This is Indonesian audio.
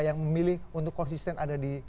yang memilih untuk konsisten ada di